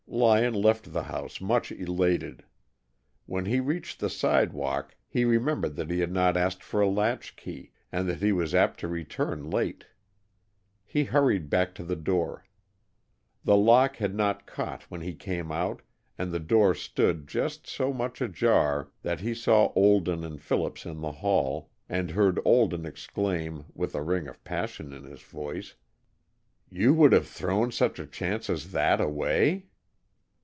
Lyon left the house much elated. When he reached the sidewalk he remembered that he had not asked for a latch key, and that he was apt to return late. He hurried back to the door. The lock had not caught when he came out and the door stood just so much ajar that he saw Olden and Phillips in the hall, and heard Olden exclaim, with a ring of passion in his voice, "You would have thrown such a chance as that away?"